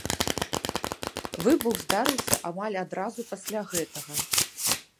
Выбух здарыўся амаль адразу пасля гэтага.